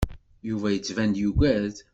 Yuba yettban-d yuggad.